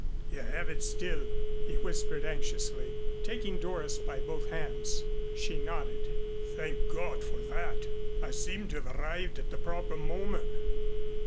"You have it still?" he whispered anxiously, taking Doris by both hands. She nodded. "Thank God for that. I seemed to have arrived at the proper moment."